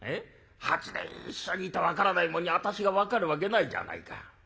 ８年一緒にいて分からないもんに私が分かるわけないじゃないか。